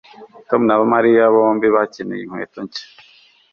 Tom na Mariya bombi bakeneye inkweto nshya